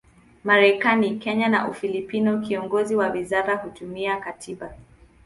Marekani, Kenya na Ufilipino, kiongozi wa wizara huitwa katibu.